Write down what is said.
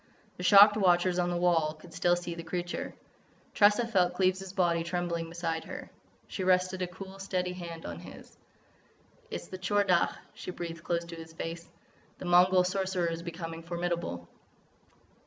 The shocked watchers on the wall could still see the creature. Tressa felt Cleves' body trembling beside her. She rested a cool, steady hand on his. "It is the Tchor Dagh," she breathed close to his face. "The Mongol Sorcerer is becoming formidable."